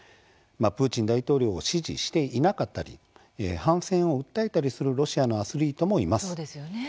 プーチン大統領を支持していなかったり反戦を訴えたりするロシアのアスリートもいます。